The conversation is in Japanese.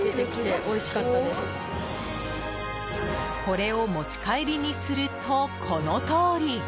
これを持ち帰りにするとこのとおり。